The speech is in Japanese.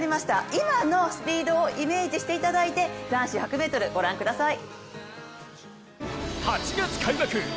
今のスピードをイメージしていただいて男子１００ｍ、ご覧ください。